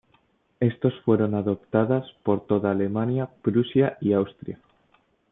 Estos fueron adoptadas por toda Alemania, Prusia y Austria.